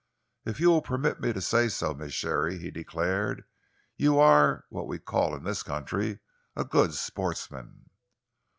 "If you will permit me to say so, Miss Sharey," he declared, "you are what we call in this country a good sportsman."